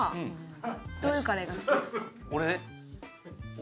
俺？